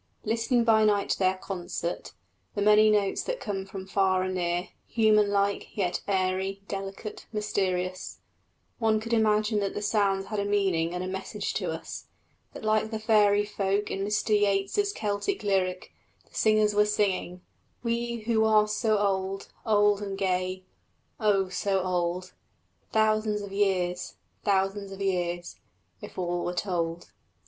Listening by night to their concert, the many notes that come from far and near, human like, yet airy, delicate, mysterious, one could imagine that the sounds had a meaning and a message to us; that, like the fairy folk in Mr Yeats's Celtic lyric, the singers were singing We who are old, old and gay, O, so old; Thousands of years, thousands of years, If all were told!